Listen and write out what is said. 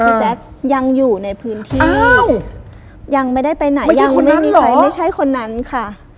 แจ๊คยังอยู่ในพื้นที่ยังไม่ได้ไปไหนยังไม่มีใครไม่ใช่คนนั้นค่ะ